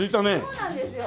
そうなんですよ。